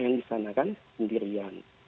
yang di sana kan sendirian